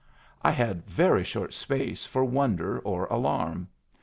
I had very short space for wonder or alarm.